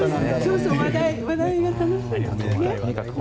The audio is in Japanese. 話題がね、楽しいよね。